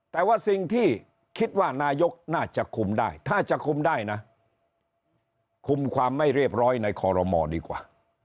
แต่ว่าสิ่งที่คิดว่านายกน่าจะคุมได้ถ้าจะคุมได้นะคุมความไม่เรียบร้อยในคอรมอดีกว่า